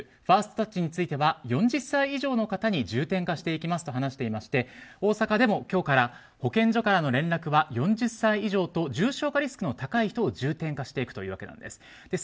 ファーストタッチについては４０歳以上の方に重点化していきますと話していまして、大阪でも今日から保健所からの連絡は４０歳以上と重症化リスクの高い人を重点化していくということです。